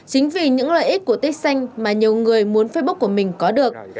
chính vì những lợi ích của tech xanh mà nhiều người muốn facebook của mình có được